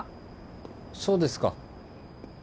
そうですか。